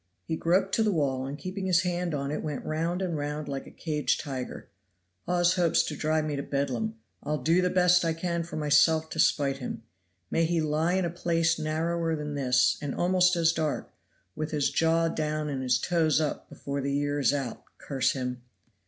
He groped to the wall, and keeping his hand on it went round and round like a caged tiger. "Hawes hopes to drive me to Bedlam. I'll do the best I can for myself to spite him. May he lie in a place narrower than this, and almost as dark, with his jaw down and his toes up before the year is out, curse him!"